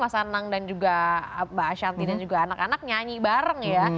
mas anang dan juga mbak ashanti dan juga anak anak nyanyi bareng ya